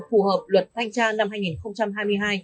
phù hợp luật thanh tra năm hai nghìn hai mươi hai